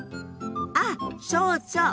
あっそうそう！